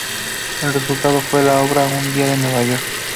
El resultado fue la obra "Un día en Nueva York".